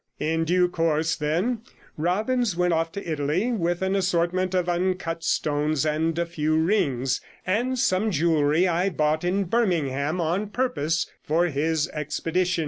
In due course, then, Robbins went off to Italy with an assortment of uncut stones and a few rings, and some jewellery I bought in Birmingham on purpose for his expedition.